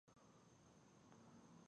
د ناروغۍ لپاره طبیعي درمل غوره دي